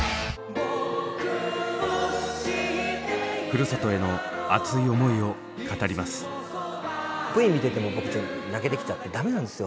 ふるさとへの熱い思いを語ります。